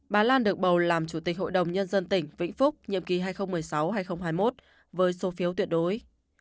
bà lan được bầu làm chủ tịch hội đồng nhân dân tỉnh vĩnh phúc nhiệm kỳ hai nghìn một mươi sáu hai nghìn hai mươi một với số phiếu tuyệt đối